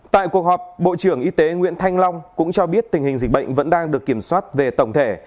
tại cuộc họp bộ trưởng y tế nguyễn thanh long cũng cho biết tình hình dịch bệnh vẫn đang được kiểm soát về tổng thể